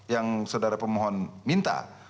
yang saudara permohon minta